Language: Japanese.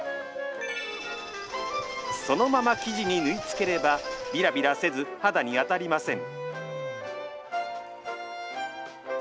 そのまま生地に縫い付ければびらびらせず肌に当たりません。